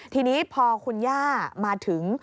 ทีนี้พอคุณย่ามาถึง